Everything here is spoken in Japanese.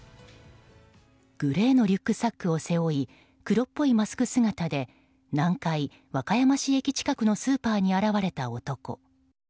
グレーのリュックサックを背負い黒っぽいマスク姿で南海・和歌山市駅近くのスーパーに現れた男。